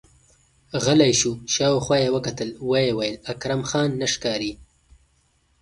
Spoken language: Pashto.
غلی شو، شاوخوا يې وکتل، ويې ويل: اکرم خان نه ښکاري!